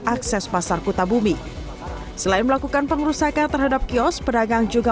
akses pasar kota bumi selain melakukan pengerusakan terhadap kios pedagang juga